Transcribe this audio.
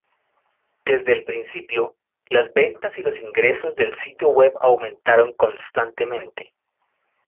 Desde un principio, las ventas y los ingresos del sitio web aumentaron constantemente.